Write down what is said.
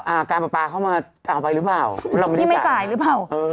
อ่าการประปาเข้ามาเอาไปหรือเปล่าเราก็พี่ไม่จ่ายหรือเปล่าเออ